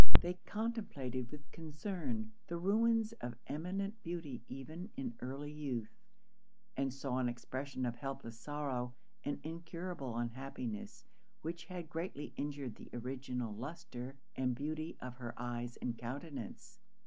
They contemplated with concern the ruins of eminent beauty even in early youth, and saw an expression of helpless sorrow and incurable unhappiness, which had greatly injured the original lustre and beauty of her eyes and countenance.